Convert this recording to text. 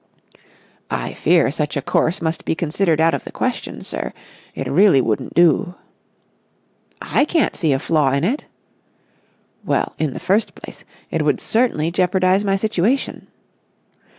"I fear such a course must be considered out of the question, sir. It really wouldn't do." "I can't see a flaw in it." "Well, in the first place, it would certainly jeopardise my situation...."